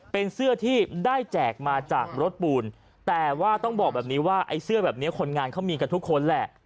เป็นเสื้อที่ได้แจกมาจากรถปูนแต่ว่าต้องบอกแบบนี้ว่าไอ้เสื้อแบบนี้คนงานเขามีกันทุกคนแหละ